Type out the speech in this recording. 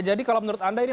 jadi kalau menurut anda ini